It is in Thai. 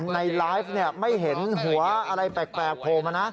ในไลฟ์เนี่ยไม่เห็นหัวอะไรบ้าง